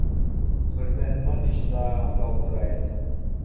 Хөрмәт Сафич та унда ултыра ине